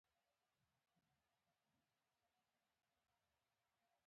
که په محیط کې رطوبت کم شي حجرې مایعات خارجيږي.